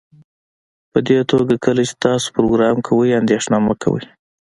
پدې توګه کله چې تاسو پروګرام کوئ اندیښنه مه کوئ